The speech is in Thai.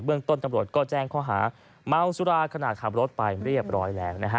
ต้นตำรวจก็แจ้งข้อหาเมาสุราขณะขับรถไปเรียบร้อยแล้วนะฮะ